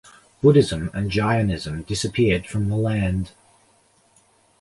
Buddhism and Jainism disappeared from the land.